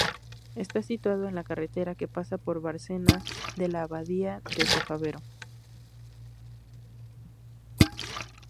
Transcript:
Está situado en la carretera que pasa por Bárcena de la Abadía desde Fabero.